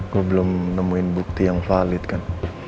gue belum nemuin bukti yang valid kan